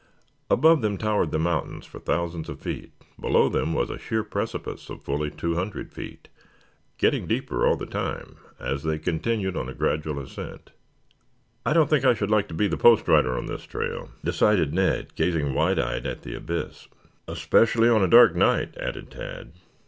Above them towered the mountains for thousands of feet. Below them was a sheer precipice of fully two hundred feet, getting deeper all the time, as they continued on a gradual ascent. "I don't think I should like to be the post rider on this trail," decided Ned, gazing wide eyed at the abyss. "Especially on a dark night," added Tad.